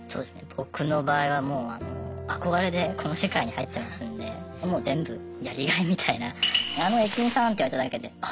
僕の場合は憧れでこの世界に入ってますのでもう全部やりがいみたいな「駅員さん」って言われただけであ